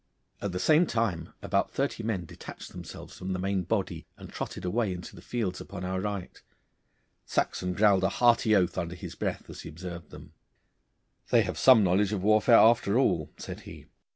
At the same time about thirty men detached themselves from the main body and trotted away into the fields upon our right. Saxon growled a hearty oath under his breath as he observed them. 'They have some knowledge of warfare after all,' said he.